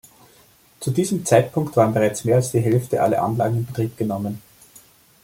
Zu diesem Zeitpunkt waren bereits mehr als die Hälfte alle Anlagen in Betrieb genommen.